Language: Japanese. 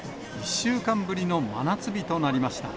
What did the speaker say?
１週間ぶりの真夏日となりました。